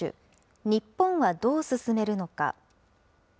日本はどう進めるのか。